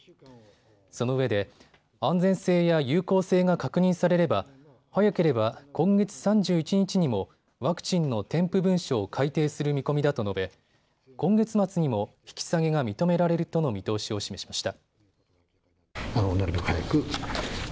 そのうえで安全性や有効性が確認されれば早ければ今月３１日にもワクチンの添付文書を改訂する見込みだと述べ今月末にも引き下げが認められるとの見通しを示しました。